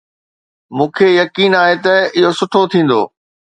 مون کي يقين آهي ته اهو سٺو ٿيندو.